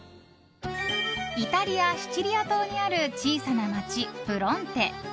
イタリア・シチリア島にある小さな町、ブロンテ。